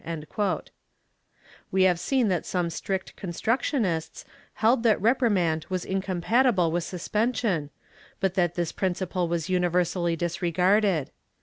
"^ We have seen that some strict con structionists held that reprimand was incompatible with suspen sion, but that this principle was universally disregarded.